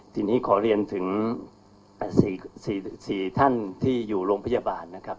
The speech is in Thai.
ทีนี้ขอเรียนถึง๔ท่านที่อยู่โรงพยาบาลนะครับ